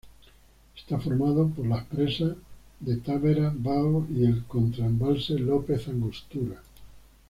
Está formado por las presas de Taveras, Bao y el contra embalse López Angostura.